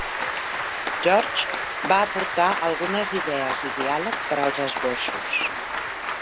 George va aportar algunes idees i diàleg per als esbossos.